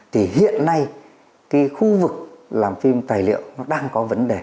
thì hiện nay cái khu vực làm phim tài liệu nó đang có vấn đề